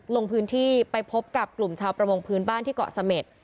ลงพื้นที่ไปพบกับกลุ่มชาวประมงพื้นบ้านที่เกาะเสม็ด